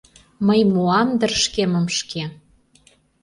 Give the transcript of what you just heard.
Мый муам дыр шкемым шке.